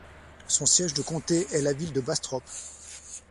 Son siège de comté est la ville de Bastrop.